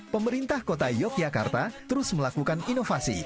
pemerintah kota yogyakarta terus melakukan inovasi